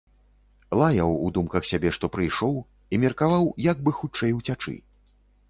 Лаяў у думках сябе, што прыйшоў, і меркаваў, як бы хутчэй уцячы.